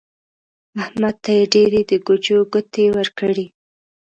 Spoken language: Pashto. احمد ته يې ډېرې د ګوچو ګوتې ورکړې.